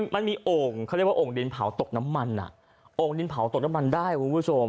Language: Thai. มันมีโอ่งเขาเรียกว่าโอ่งดินเผาตกน้ำมันโอ่งดินเผาตกน้ำมันได้คุณผู้ชม